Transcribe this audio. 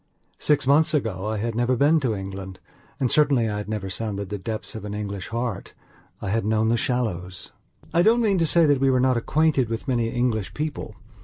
Six months ago I had never been to England, and, certainly, I had never sounded the depths of an English heart. I had known the shallows. I don't mean to say that we were not acquainted with many English people.